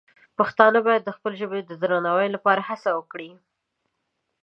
پښتانه باید د خپلې ژبې د درناوي لپاره هڅه وکړي.